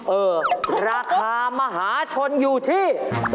เออราคามหาชนอยู่ที่